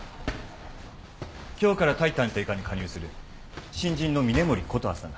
今日から対探偵課に加入する新人の峰森琴葉さんだ。